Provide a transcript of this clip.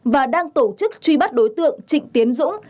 và đang tổ chức truy bắt đối tượng trịnh tiến dũng